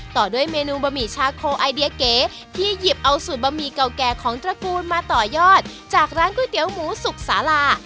ต่อด้วยเมนูบะหมี่ชาโคไอเดียเก๋ที่หยิบเอาสูตรบะหมี่เก่าแก่ของตระกูลมาต่อยอดจากร้านก๋วยเตี๋ยวหมูสุกสาลา